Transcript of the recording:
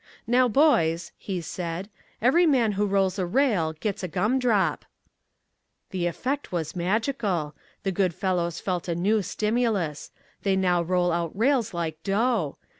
"Now boys," he said, "every man who rolls a rail gets a gum drop." The effect was magical. The good fellows felt a new stimulus. They now roll out rails like dough.